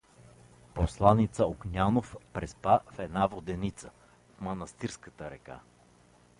Посланица Огнянов преспа в една воденица, в Манастирската река.